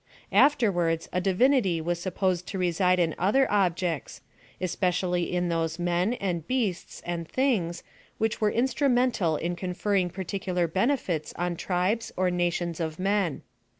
Afterwards a 46 PIIILOSOPHYOFTHE divinit} was supposed to reside in other ODJccU^ especially in those men, and beasts, and things, which were instrumental in conferring particular benefits on tribes or nations of men.